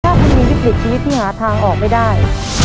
ถ้าคุณมีวิกฤตชีวิตที่หาทางออกไม่ได้